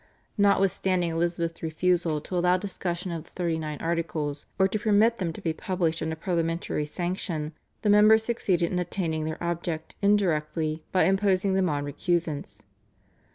Notwithstanding Elizabeth's refusal to allow discussion of the Thirty Nine Articles, or to permit them to be published under parliamentary sanction, the members succeeded in attaining their object indirectly by imposing them on recusants.